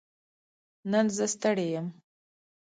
نن زه ستړې يم